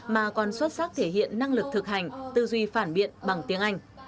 mà còn xuất sắc thể hiện năng lực thực hành tư duy phản biện bằng tiếng anh